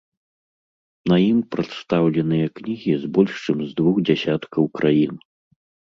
На ім прадстаўленыя кнігі з больш чым з двух дзясяткаў краін.